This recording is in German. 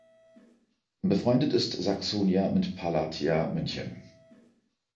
Befreundet ist Saxonia mit Palatia München.